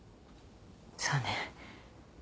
そうね。